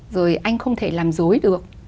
rồi anh không thể làm dối được